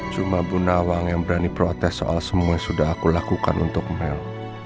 cuma bu nawang yang berani protes soal semua yang sudah aku lakukan untuk mel